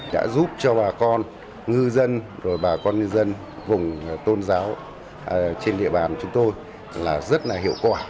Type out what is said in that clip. đã giúp cho bà con ngư dân bà con ngư dân vùng tôn giáo trên địa bàn chúng tôi là rất là hiệu quả